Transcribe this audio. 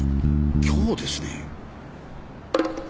今日ですね。